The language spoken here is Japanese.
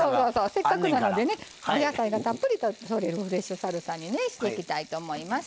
せっかくなのでねお野菜がたっぷりとれるフレッシュサルサにねしていきたいと思います。